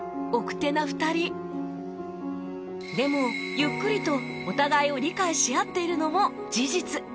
ゆっくりとお互いを理解し合っているのも事実